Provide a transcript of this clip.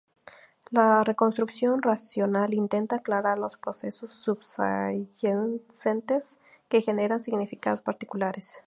La reconstrucción racional intenta aclarar los procesos subyacentes que generan significados particulares.